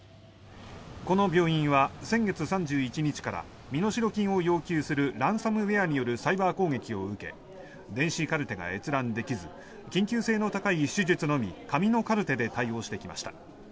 この病院は先月３１日から身代金を要求するランサムウェアによるサイバー攻撃を受け電子カルテが閲覧できず緊急性の高い手術のみ紙のカルテで対応してきました。